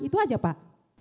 itu saja pak